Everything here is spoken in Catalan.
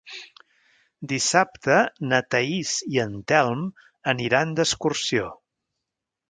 Dissabte na Thaís i en Telm aniran d'excursió.